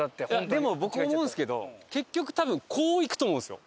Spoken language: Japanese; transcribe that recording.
でも僕思うんですけど結局多分こう行くと思うんですよ